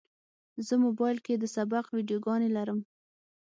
زه موبایل کې د سبق ویډیوګانې لرم.